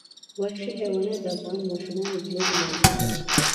وحشي حیوانات د افغان ماشومانو د لوبو موضوع ده.